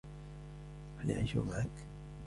هل يعيش معك ؟